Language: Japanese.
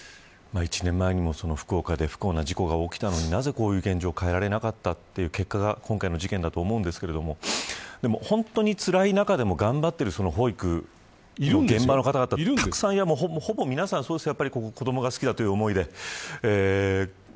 １年前にも福岡で不幸な事故が起きたのになぜこういう現状を変えられなかったという結果が今回の事件だと思いますが本当につらい中でも頑張っている保育の現場の方々はたくさんいるんですよ。